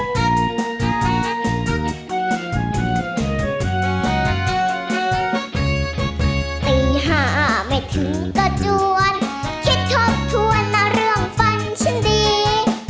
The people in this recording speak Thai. ตี๕ไม่ถึงก็จวนคิดทบทวนนะเรื่องฟันฉันดี